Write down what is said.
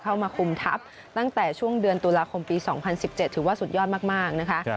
เข้ามาคุมทัพตั้งแต่ช่วงเดือนตุลาคมปี๒๐๑๗ถือว่าสุดยอดมากนะคะ